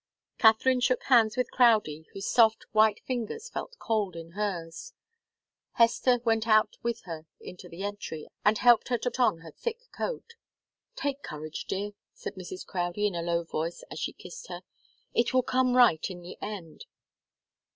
Katharine shook hands with Crowdie, whose soft, white fingers felt cold in hers. Hester went out with her into the entry, and helped her to put on her thick coat. "Take courage, dear!" said Mrs. Crowdie in a low voice, as she kissed her. "It will come right in the end."